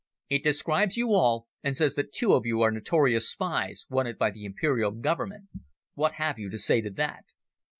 It describes you all, and says that two of you are notorious spies wanted by the Imperial Government. What have you to say to that?"